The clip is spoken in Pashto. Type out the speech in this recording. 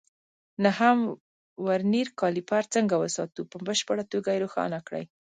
نهم: ورنیر کالیپر څنګه وساتو؟ په بشپړه توګه یې روښانه کړئ.